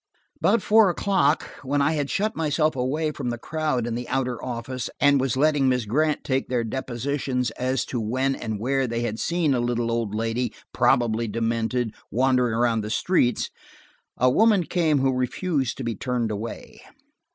About four o'clock, when I had shut myself away from the crowd in the outer office, and was letting Miss Grant take their depositions as to when and where they had seen a little old lady, probably demented, wandering around the streets, a woman came who refused to be turned away.